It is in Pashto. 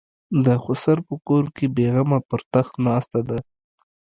د خسر په کور بېغمه پر تخت ناسته ده.